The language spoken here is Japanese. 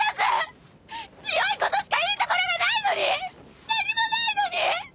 強いことしかいいところがないのに何もないのに！